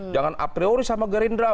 jangan a priori sama gerindra